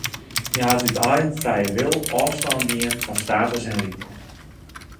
Hja hat út eigen frije wil ôfstân dien fan status en rykdom.